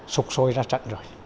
sụp sôi ra trận rồi